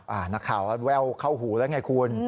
ครับนักข่าวแล้วแววเข้าหูแล้วนี่ไงคุณ